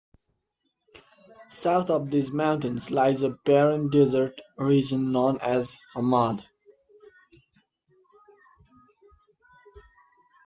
South of these mountains lies a barren desert region known as the Hamad.